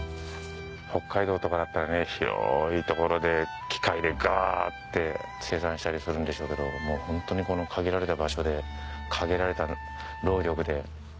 北海道とかだったらね広い所で機械でガって生産したりするんでしょうけどもうホントにこの限られた場所で限られた労力で。